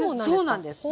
そうなんです。